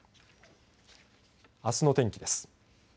あすの天気です。